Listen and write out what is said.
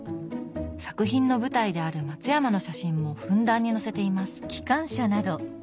作品の舞台である松山の写真もふんだんに載せています。